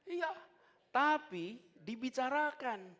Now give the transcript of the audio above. iya tapi dibicarakan